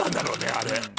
あれ。